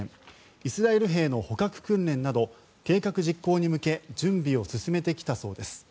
イスラエル兵の捕獲訓練など計画実行に向け準備を進めてきたそうです。